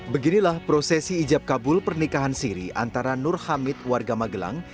beginilah prosesi ijab kabul pernikahan siri antara nur hamid warga magelang